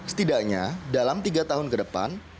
setidaknya dalam tiga tahun ke depan